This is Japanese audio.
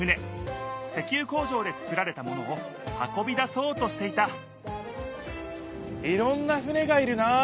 石ゆ工場で作られたものを運びだそうとしていたいろんな船がいるなあ！